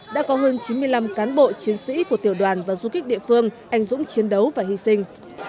đã có hơn chín mươi năm cán bộ chiến sĩ của tiểu đoàn và du kích địa phương anh dũng chiến đấu và hy sinh